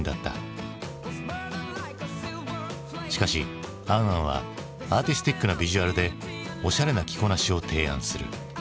しかし「ａｎ・ａｎ」はアーティスティックなビジュアルでおしゃれな着こなしを提案する。